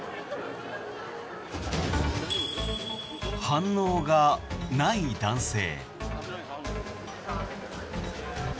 反応がない男性。